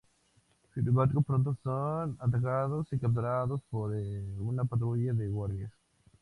Sin embargo, pronto son atacados y capturados por una patrulla de guardias.